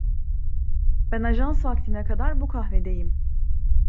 Ben ajans vaktine kadar bu kahvedeyim.